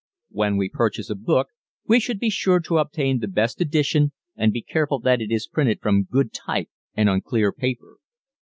When we purchase a book we should be sure to obtain the best edition and be careful that it is printed from good type and on clear paper.